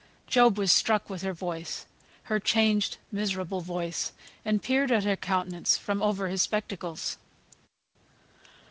Job was struck with her voice, her changed, miserable voice, and peered at her countenance from over his spectacles.